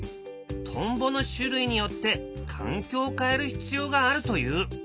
トンボの種類によって環境を変える必要があるという。